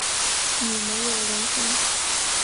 你没有人生